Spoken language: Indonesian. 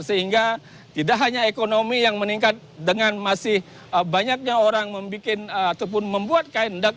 sehingga tidak hanya ekonomi yang meningkat dengan masih banyaknya orang membuat kain